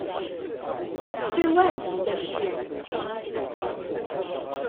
最惋惜的是